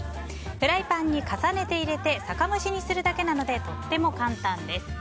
フライパンに重ねて入れて酒蒸しにするだけなのでとっても簡単です。